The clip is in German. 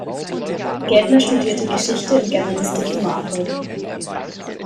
Gäbler studierte Geschichte und Germanistik in Marburg.